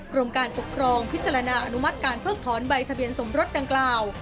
กรมการปกครองพิจารณาอนุมัติการเพิกถอนใบทะเบียนสมรสดังกล่าว